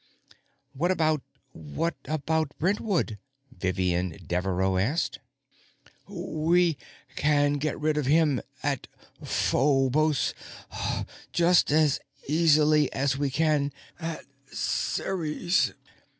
"What about ... what about Brentwood?" Vivian Devereaux asked. "We can get rid of him at Phobos just as easily as we can at Ceres.